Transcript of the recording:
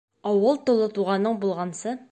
Ауыл тулы туғаның булғансы